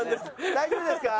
大丈夫ですか？